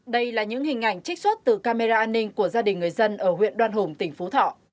đây là những hình ảnh trích xuất từ camera an ninh của gia đình người dân ở huyện đoan hùng tỉnh phú thọ